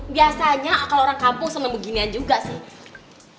biasanya kalau orang kampung sama beginian juga sih